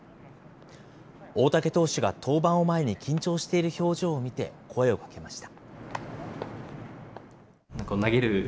大竹投手が登板を前に緊張している表情を見て、声をかけました。